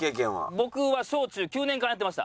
僕は小中９年間やってました。